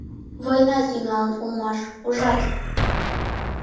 — Война тӱҥалын улмаш, ужат!